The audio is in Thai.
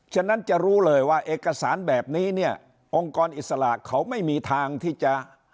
ฉะนั้นจะรู้เลยว่าเอกสารแบบนี้เนี่ยองค์กรอิสระเขาไม่มีทางที่จะ